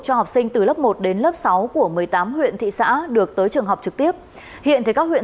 cho học sinh từ lớp một đến lớp sáu của một mươi tám huyện thị xã được tới trường học trực tiếp hiện các huyện